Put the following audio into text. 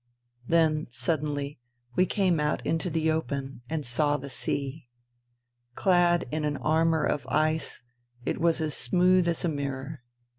Then, suddenly, we came out into the open and saw the sea. Clad in an armour of ice, it was as smooth as a mirror.